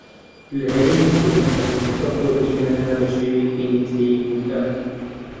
لە ھەرێمی کوردستانیش ئەو خۆرگیرانە بە شێوەیەکی نیمچەیی بیندرا